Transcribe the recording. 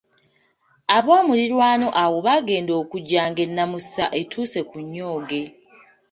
Aboomuliraano awo baagenda okujja ng’ennamusa etuuse ku nnyooge.